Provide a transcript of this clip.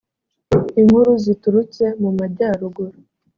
inkuru ziturutse mu majyaruguru